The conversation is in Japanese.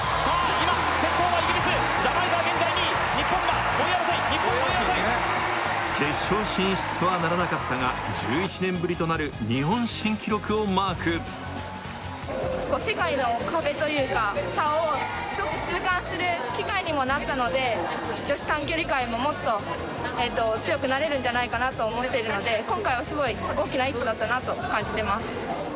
今先頭はイギリスジャマイカは現在２位日本は５位争い日本５位争い決勝進出とはならなかったが１１年ぶりとなる日本新記録をマーク世界の壁というか差をすごく痛感する機会にもなったので女子短距離界ももっと強くなれるんじゃないかなと思ってるので今回はすごい大きな一歩だったなと感じてます